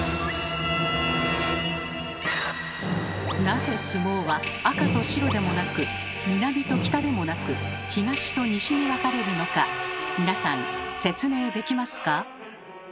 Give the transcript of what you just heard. なぜ相撲は「赤」と「白」でもなく「南」と「北」でもなく「東」と「西」に分かれるのか皆さん説明できますか？